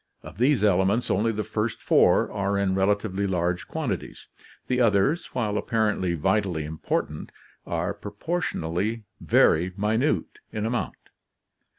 Of these elements only the first four are in relatively large quantities; the others, while apparently vitally important, are proportionally very minute in amount.